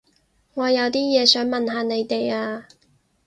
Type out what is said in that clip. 我有啲嘢想問下你哋啊